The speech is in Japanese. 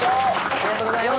ありがとうございます！